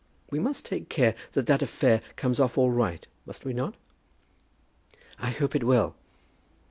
We must take care that that affair comes off all right, must we not?" "I hope it will."